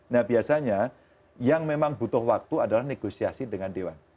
nah biasanya yang memang butuh waktu adalah negosiasi dengan dewan